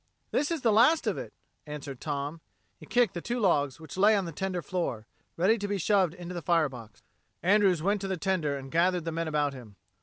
"This is the last of it," answered Tom. He kicked the two logs which lay on the tender floor, ready to be shoved into the fire box. Andrews went to the tender and gathered the men about him.